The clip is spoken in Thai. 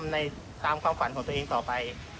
ในสิ่งตามฝันต่อไป